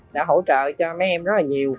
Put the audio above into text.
đã hỗ trợ cho mấy em rất là nhiều